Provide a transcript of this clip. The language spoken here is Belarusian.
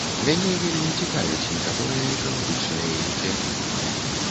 Мяне вельмі цікавяць некаторыя экалагічныя ініцыятывы.